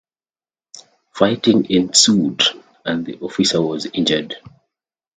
Fighting ensued, and the officer was injured.